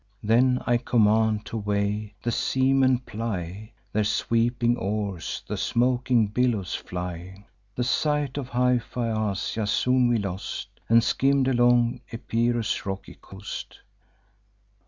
Then I command to weigh; the seamen ply Their sweeping oars; the smoking billows fly. The sight of high Phaeacia soon we lost, And skimm'd along Epirus' rocky coast.